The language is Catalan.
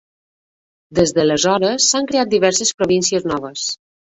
Des d'aleshores, s'han creat diverses províncies noves.